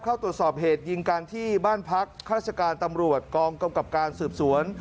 เข้าตรวจสอบเหตุยิงการที่บ้านพักข้าราชการตำรวจกองกำกับการสืบสวน